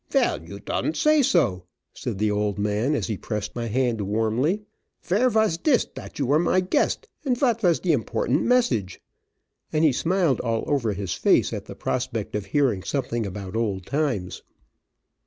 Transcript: "Vell, you dond't say so," said the old man, as he pressed my hand warmly. "Vere vas dis dat you were my guest, and vot vas de important message?" and he smiled all over his face at the prospect of hearing something about old times.